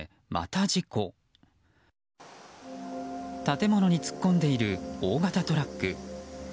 建物に突っ込んでいる大型トラック。